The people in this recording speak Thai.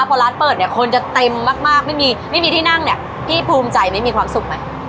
พอร้านเปิดเนี่ยคนจะเต็มมากไม่มีไม่มีที่นั่งเนี่ยพี่ภูมิใจไม่มีความสุขไหม